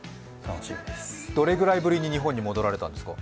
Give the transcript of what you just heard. どれぐらいぶりに日本に戻られたんですか？